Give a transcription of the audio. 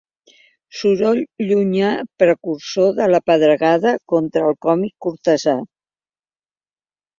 Soroll llunyà precursor de la pedregada contra el còmic cortesà.